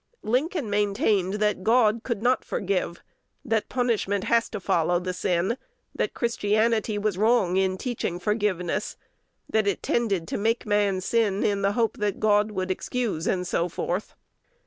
_Lincoln maintained that God could not forgive; that punishment has to follow the sin; that Christianity was wrong in teaching forgiveness_; that it tended to make man sin in the hope that God would excuse, and so forth.